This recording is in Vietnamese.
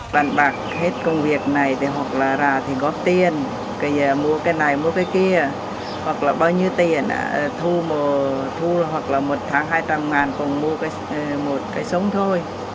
bạn bạc hết công việc này hoặc là ra thì góp tiền bây giờ mua cái này mua cái kia hoặc là bao nhiêu tiền thu hoặc là một tháng hai trăm linh còn mua một cái sống thôi